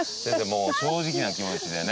もう正直な気持ちでね。